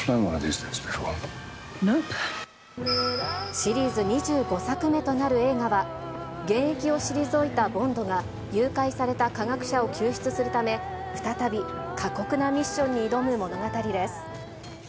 シリーズ２５作目となる映画は、現役を退いたボンドが、誘拐された科学者を救出するため、再び過酷なミッションに挑む物語です。